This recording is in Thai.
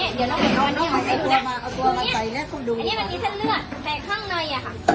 เอาตัวมาเอาตัวมาใจเนี้ยคุณดูอันนี้มันมีเส้นเลือดแต่ข้างในอ่ะค่ะ